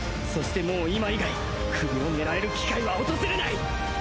そしてもう今以外首を狙える機会は訪れない！